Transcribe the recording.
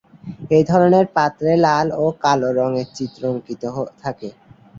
এই ধরনের পাত্রে লাল ও কালো রঙের চিত্র অঙ্কিত থাকে।